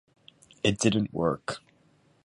It didn't work.